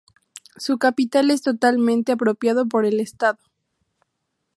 Su capital es totalmente apropiado por el Estado.